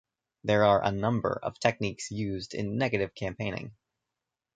There are a number of techniques used in negative campaigning.